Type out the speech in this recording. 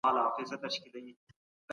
خپل ماسومان مطالعې ته وهڅوئ.